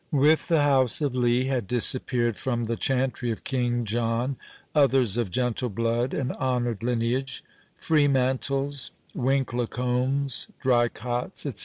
With the house of Lee had disappeared from the chantry of King John others of gentle blood and honoured lineage—Freemantles, Winklecombes, Drycotts, &c.